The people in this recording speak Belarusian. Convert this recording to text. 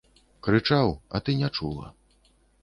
Крычаў, а ты не чула.